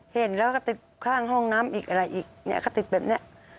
เห็นแล้วก็ติดข้างห้องน้ำอีกอะไรอีกเนี่ยก็ติดแบบนี้